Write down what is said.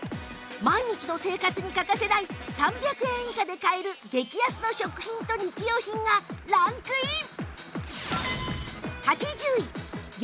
毎日の生活に欠かせない３００円以下で買える激安の食品と日用品がランクイン